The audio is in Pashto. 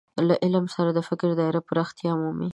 له علم سره د فکر دايره پراختیا مومي.